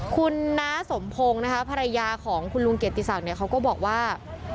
คุณน้าสมพงศ์นะคะภรรยาของคุณลุงเกียรติศักดิ์เขาก็บอกว่า